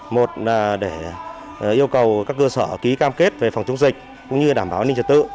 một là để yêu cầu các cơ sở ký cam kết về phòng chống dịch cũng như đảm bảo an ninh trật tự